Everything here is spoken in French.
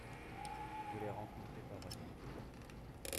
Je l'ai rencontré par hasard …